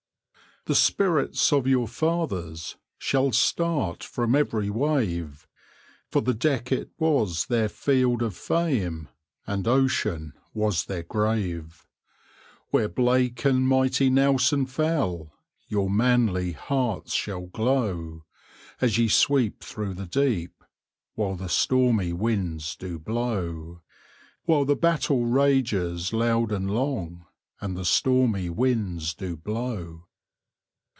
The spirits of your fathers Shall start from every wave For the deck it was their field of fame, And Ocean was their grave: Where Blake and mighty Nelson fell Your manly hearts shall glow, As ye sweep through the deep, While the stormy winds do blow; While the battle rages loud and long, And the stormy winds do blow.